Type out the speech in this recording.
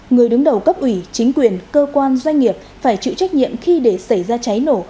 người đứng đầu cấp ủy chính quyền cơ quan doanh nghiệp phải chịu trách nhiệm khi để xảy ra cháy nổ